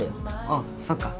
ああそっか。